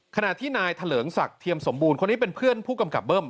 ขณะที่นายเถลิงศักดิ์เทียมสมบูรณ์คนนี้เป็นเพื่อนผู้กำกับเบิ้ม